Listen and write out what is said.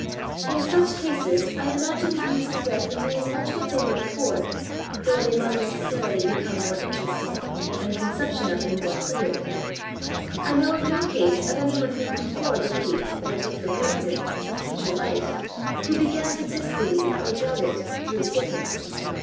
In such cases, I imagine the views of death remain much what they were before, though they must necessarily become more interesting, and the conception of them more dear. I know of no case of any one who before believed, or took for granted, a fature life, who began to disbelieve or doubt it through sickness.